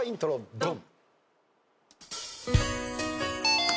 ドン！